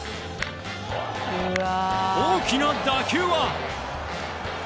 大きな打球は。